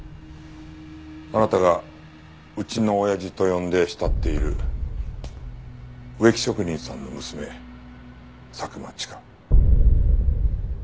あなたが「うちのおやじ」と呼んで慕っている植木職人さんの娘佐久間千佳。